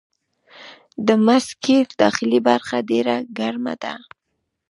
د مځکې داخلي برخه ډېره ګرمه ده.